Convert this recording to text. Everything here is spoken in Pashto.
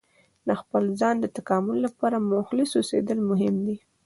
د خپل ځان د تکامل لپاره مخلص اوسیدل مهم دي.